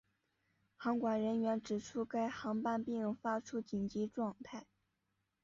航管人员指出该航班并未发出紧急状态。